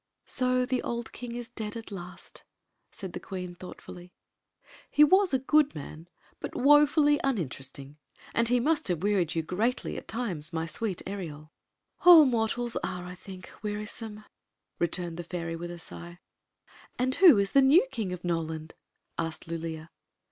"So the old king is dead at last!" saic* the » een, thoughtfully. "He was a good man, but woefully Queen Zixi of Ix; or, the "'yes, V0U« majesty, I AM LATE.'" uninteresting ; and he must have wearied you greatly at times, my sweet Ereol." "All mortals are, I think, wearisome," returned the fairy, with a sigh. "And who is the new King of Noland?" asked Lulea.